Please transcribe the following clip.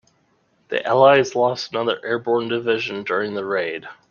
The allies lost another airborne division during the raid.